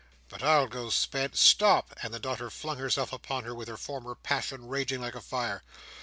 But I'll go spend—" "Stop!" and the daughter flung herself upon her, with her former passion raging like a fire.